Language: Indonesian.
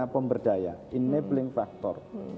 pemberdaya enabling factor